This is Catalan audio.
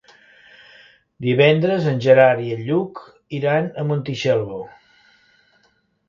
Divendres en Gerard i en Lluc iran a Montitxelvo.